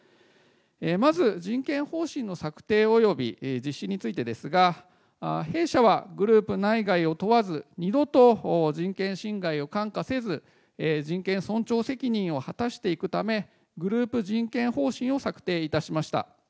まず人権方針の策定および実施についてですが、弊社はグループ内外を問わず、二度と人権侵害をかんかせず、人権尊重責任を果たしていくため、グループ人権方針を策定いたしました。